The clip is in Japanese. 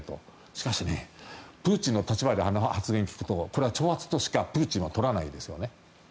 しかしプーチンの立場であの発言を聞くと、挑発としかプーチンは取らないですよね。